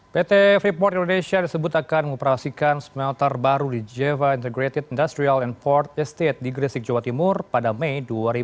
pt freeport indonesia disebut akan mengoperasikan smelter baru di jeva integrated industrial and port estate di gresik jawa timur pada mei dua ribu dua puluh